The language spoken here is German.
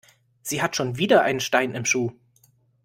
Sie hat schon wieder einen Stein im Schuh.